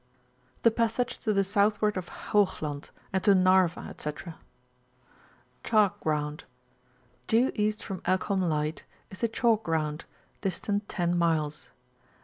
THE PASSAGE TO THE SOUTHWARD OF HOOGLAND, AND TO NARVA, &c. CHALK O&OUlfD.— Due east from Ekholm Light is the Chalk Ground, distant 10 miles.